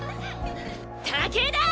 武田！